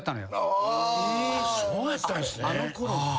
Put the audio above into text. そうやったんすね。